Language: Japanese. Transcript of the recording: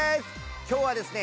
今日はですね